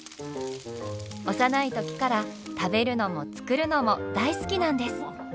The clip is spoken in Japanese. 幼い時から食べるのも作るのも大好きなんです。